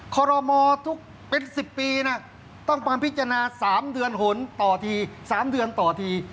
คอรมอทุกเป็น๑๐ปีนะต้องมาพิจารณา๓เดือนหนต่อที๓เดือนต่อที